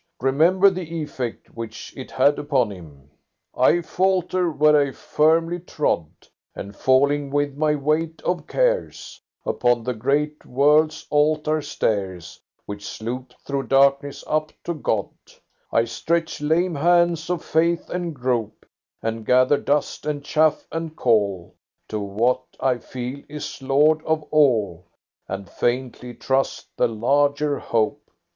Remember the effect which it had upon him." 'I falter where I firmly trod, And falling with my weight of cares Upon the great world's altar stairs Which slope through darkness up to God; I stretch lame hands of faith and grope And gather dust and chaff, and call To what I feel is Lord of all, And faintly trust the larger hope.